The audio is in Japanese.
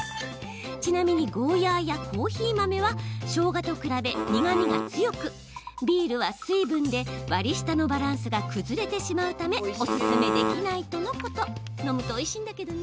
ちなみにゴーヤーやコーヒー豆はしょうがと比べ、苦みが強くビールは水分で、割り下のバランスが崩れてしまうためおすすめできないとのこと。